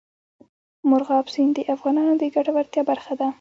مورغاب سیند د افغانانو د ګټورتیا برخه ده.